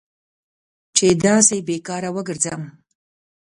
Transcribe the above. چې داسې بې کاره وګرځم.